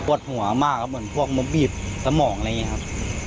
ปวดหัวมากเหมือนพวกมบบีนสมองอะไรเนี้ยครับ